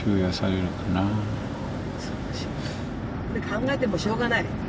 考えてもしょうがない。